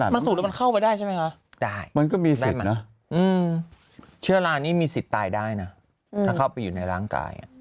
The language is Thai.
มันสูญมันเข้าไปได้ใช่มั้ยคะได้มันก็มีสิทธิ์นะ